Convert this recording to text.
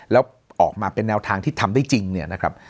แล้วออกมาเป็นแนวทางที่ทำได้จริงเนี่ยนะครับ